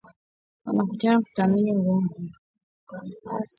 wakutana kutathmini vikwazo dhidi ya Mali na Burkina Faso